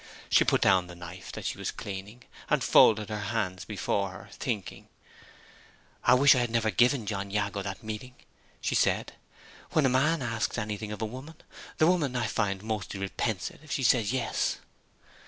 She put down the knife that she was cleaning, and folded her hands before her, thinking. "I wish I had never given John Jago that meeting," she said. "When a man asks anything of a woman, the woman, I find, mostly repents it if she says 'Yes.